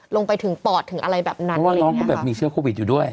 ลงไปถึงปอดถึงอะไรแบบนั้นเพราะว่าน้องเขาแบบมีเชื้อโควิดอยู่ด้วย